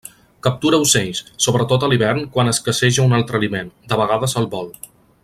Captura ocells, sobretot a l'hivern quan escasseja un altre aliment, de vegades al vol.